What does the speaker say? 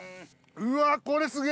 うわこれすげ！